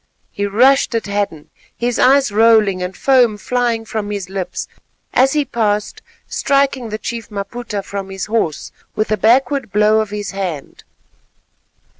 he rushed at Hadden, his eyes rolling and foam flying from his lips, as he passed striking the chief Maputa from his horse with a backward blow of his hand.